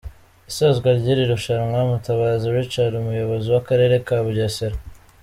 isozwa ry’iri rushanwa, Mutabazi Richard umuyobozi w’akarere ka Bugesera